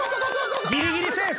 ギリギリセーフ。